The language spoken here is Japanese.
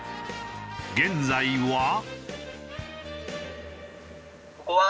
現在は。